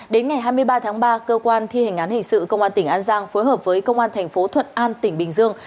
đến ngày hai mươi ba tháng ba cơ quan thi hành án hình sự công an tỉnh an giang phối hợp với công an thành phố thuận an tỉnh bình dương